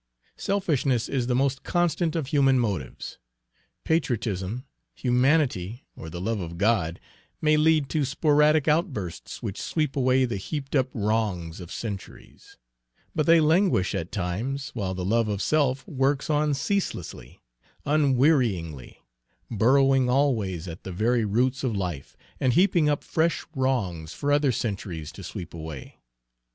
Selfishness is the most constant of human motives. Patriotism, humanity, or the love of God may lead to sporadic outbursts which sweep away the heaped up wrongs of centuries; but they languish at times, while the love of self works on ceaselessly, unwearyingly, burrowing always at the very roots of life, and heaping up fresh wrongs for other centuries to sweep away.